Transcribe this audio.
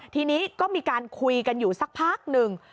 ทีนี้ก็มีการคุยกันอยู่สักพักหนึ่ง